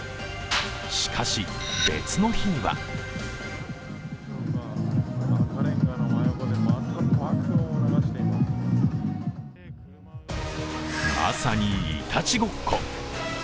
しかし、別の日にはまさに、いたちごっこ。